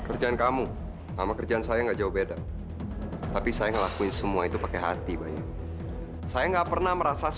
rasa ini tiba tiba ada